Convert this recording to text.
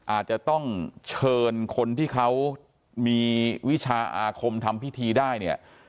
อาจจะต้องเชิญคนที่เขามีวิชาอาคมทำพิธีได้เนี่ย